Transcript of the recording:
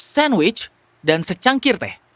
sandwich dan secangkir teh